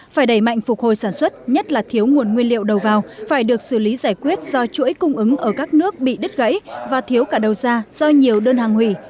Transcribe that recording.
phải đẩy mạnh phục hồi sản xuất nhất là thiếu nguồn nguyên liệu đầu vào phải được xử lý giải quyết do chuỗi cung ứng ở các nước bị đứt gãy và thiếu cả đầu ra do nhiều đơn hàng hủy